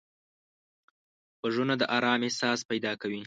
غوږونه د آرام احساس پیدا کوي